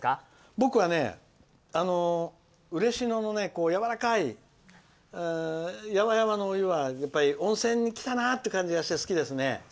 僕はね、嬉野のやわらかい、やわやわのお湯が温泉に来たなって感じがして好きですね。